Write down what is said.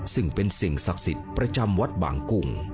ซึ่งเป็นสิ่งศักดิ์สิทธิ์ประจำวัดบางกุ่ง